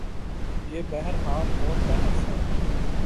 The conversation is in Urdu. یہ بہرحال اور بحث ہے۔